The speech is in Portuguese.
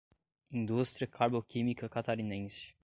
Indústria Carboquímica Catarinense